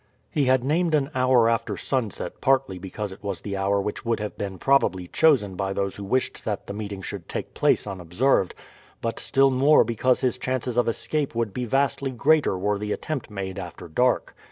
He had named an hour after sunset partly because it was the hour which would have been probably chosen by those who wished that the meeting should take place unobserved, but still more because his chances of escape would be vastly greater were the attempt made after dark.